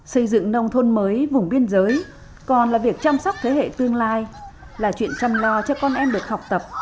xây dựng nông thôn mới vùng biên giới còn là việc chăm sóc thế hệ tương lai là chuyện chăm lo cho con em được học tập